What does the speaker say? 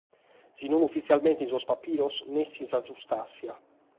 Si non ufitzialmente in sos pabiros, nessi in sa sustàntzia.